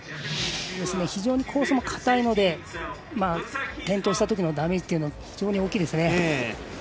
コースもかたいので転倒したときのダメージというのが非常に大きいですね。